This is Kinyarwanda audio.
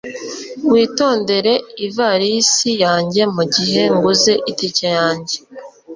Witondere ivarisi yanjye mugihe nguze itike yanjye.